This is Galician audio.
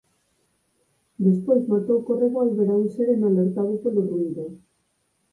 Despois matou co revólver a un sereno alertado polo ruído.